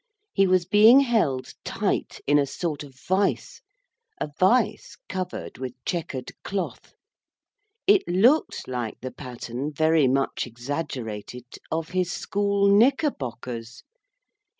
He was being held tight in a sort of vice a vice covered with chequered cloth. It looked like the pattern, very much exaggerated, of his school knickerbockers.